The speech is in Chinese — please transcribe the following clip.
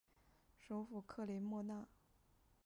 首府克雷莫纳。